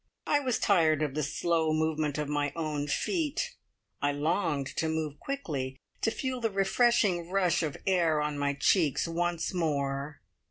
I was tired of the slow movement of my own feet. I longed to move quickly, to feel the refreshing rush of air on my cheeks once more.